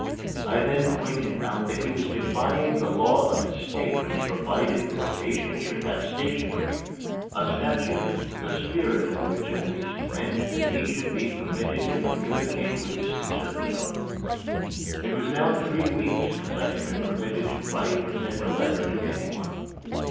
I then pointed out that he was defying the law of the State which provided that a patient should have stationery a statute, the spirit of which at least meant that he should be permitted to communicate with his conservator. It was now three weeks since I had been permitted to write or send a letter to anyone.